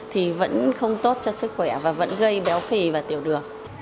thì vẫn không tốt cho sức khỏe và vẫn gây béo phì và tiểu đường